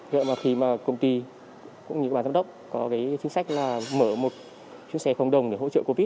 giờ mà khi mà công ty cũng như các bạn giám đốc có cái chính sách là mở một chiếc xe phòng đồng để hỗ trợ covid